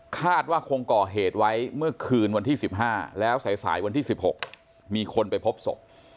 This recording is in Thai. คาดว่าคงก่อเหตุไว้เมื่อคืนวันที่๑๕แล้วสายวันที่๑๖มีคนไปพบศพ